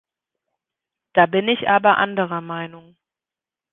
Da bin ich aber anderer Meinung.